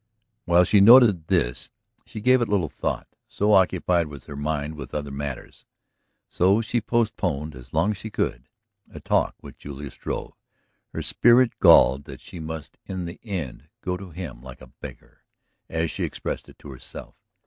While she noted this she gave it little thought, so occupied was her mind with other matters. She had postponed, as long as she could, a talk with Julius Struve, her spirit galled that she must in the end go to him "like a beggar," as she expressed it to herself.